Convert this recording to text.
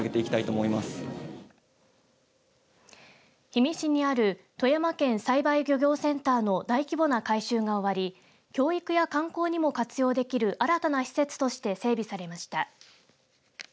氷見市にある富山県栽培漁業センターの大規模な改修が終わり教育や観光にも活用できる新たな施設として整備されました。